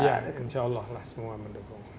ya insya allah lah semua mendukung